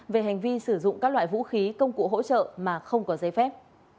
về hành vi sử dụng các loại vũ khí công cụ hỗ trợ mà không có giấy phép